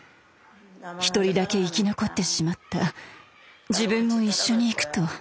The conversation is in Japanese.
「一人だけ生き残ってしまった自分も一緒にいく」と。